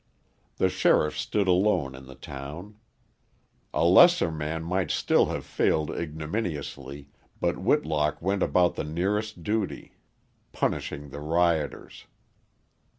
The sheriff stood alone in the town. A lesser man might still have failed ignominiously. But Whitlock went about the nearest duty: punishing the rioters.